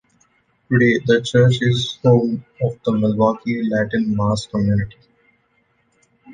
Today, the church is the home of the Milwaukee Latin Mass community.